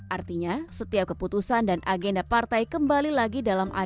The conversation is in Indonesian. artinya setiap keputusan undang undang dan agenda partai kembali lagi dalam adart partai